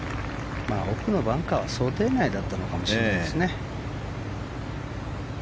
奥のバンカーは想定内だったのかもしれないですね。